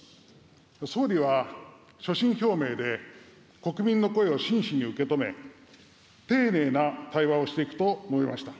総理は所信表明で、国民の声を真摯に受け止め、丁寧な対話をしていくと述べました。